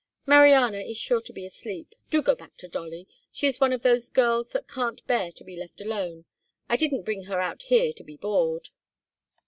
"Mariana is sure to be asleep. Do go back to Dolly. She is one of those girls that can't bear to be left alone. I didn't bring her out here to be bored."